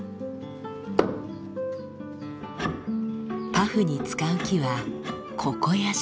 パフに使う木はココヤシ。